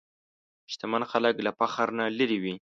شتمن خلک له فخر نه لېرې وي.